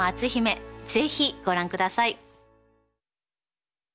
是非ご覧ください！